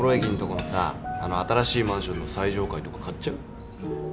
このさあの新しいマンションの最上階とか買っちゃう？